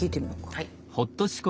はい。